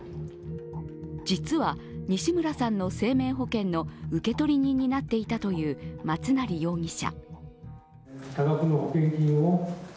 実は西村さんの生命保険の受取人になっていたという松成容疑者。